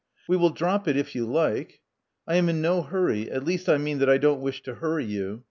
*'We will drop it of you like. I am in no hurry — at least I mean that I don't wish to hurry you.